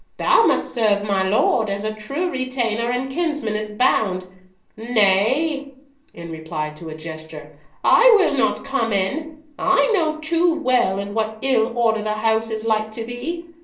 Thou must serve my lord, as a true retainer and kinsman is bound—Nay," in reply to a gesture, "I will not come in, I know too well in what ill order the house is like to be.